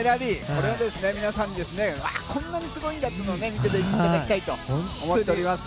これを皆さんにこんなにすごいんだというのを見ていただきたいなと思っております。